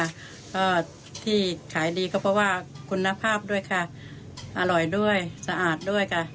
แล้วก็ที่ขายดีก็เพราะว่าคุณภาพด้วยค่ะอร่อยด้วยสะอาดด้วยค่ะ